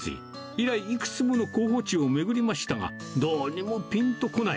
以来、いくつもの候補地を巡りましたが、どうにもぴんとこない。